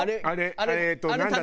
あれ。